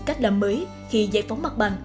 cách làm mới khi giải phóng mặt bằng